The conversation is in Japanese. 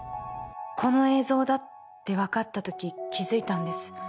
この映像だって分かった時気づいたんです